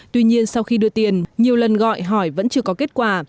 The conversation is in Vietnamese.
tuy nhiên sau khi đưa tiền nhiều lần gọi hỏi vẫn chưa có kết quả